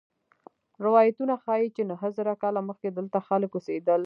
روایتونه ښيي چې نهه زره کاله مخکې دلته خلک اوسېدل.